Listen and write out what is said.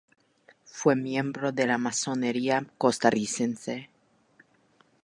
Fue miembro de la Masonería costarricense.